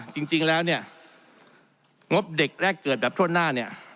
จริงแล้วเนี่ยงบเด็กแรกเกิดแบบทั่วหน้าเนี่ย